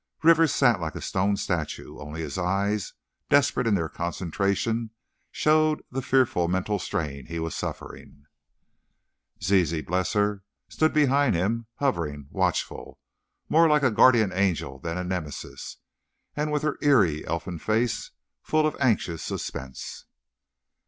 Rivers sat like a stone statue, only his eyes, desperate in their concentration, showed the fearful mental strain he was suffering. Zizi, bless her! stood behind him, hovering, watchful, more like a guardian angel than a Nemesis, and with her eerie, elfin face full of anxious suspense.